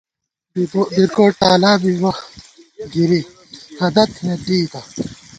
بیرکوٹ تالا بِبہ گِری ، ہدَت تھنئیت ڈېئیتہ